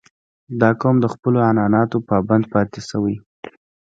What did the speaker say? • دا قوم د خپلو عنعناتو پابند پاتې شوی.